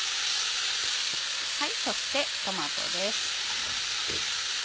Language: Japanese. そしてトマトです。